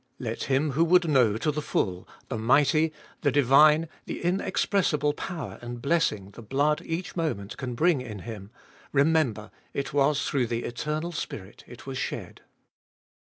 Let him who would know to the full the mighty, the divine, the inexpressible power and blessing the blood each moment can bring in Him, remember, it was through the Eternal Spirit it was shed.